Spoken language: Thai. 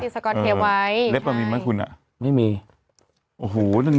สะโกนให้นึง